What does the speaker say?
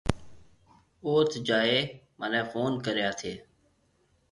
اوٿ جائي مهنَي ڦون ڪريا ٿَي؟